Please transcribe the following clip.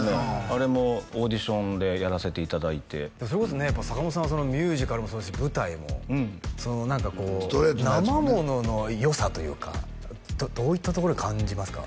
あれもオーディションでやらせていただいてそれこそねやっぱ坂本さんミュージカルもそうだし舞台も何かこう生ものの良さというかどういったところに感じますか？